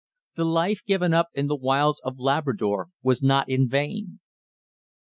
The life given up in the wilds of Labrador was not in vain."